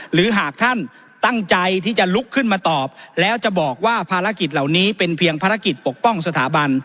หรือหากท่านตั้งใจที่จะลุกขึ้นมาตอบแล้วจะบอกว่าภารกิจเหล่านี้เป็นเพียงภารกิจปกป้องสถาบัน